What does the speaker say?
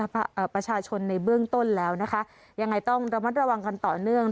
ประชาชนในเบื้องต้นแล้วนะคะยังไงต้องระมัดระวังกันต่อเนื่อง